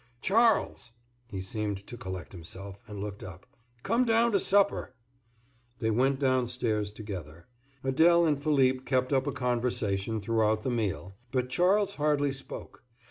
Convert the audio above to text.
"Charles!" He seemed to collect himself, and looked up. "Come down to supper!" They went downstairs together. Adèle and Philippe kept up a conversation throughout the meal, but Charles hardly spoke.